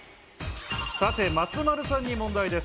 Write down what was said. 松丸さんに問題です。